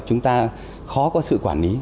chúng ta khó có sự quản lý